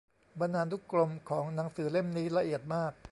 บรรณานุกรมของหนังสือเล่มนี้ละเอียดมาก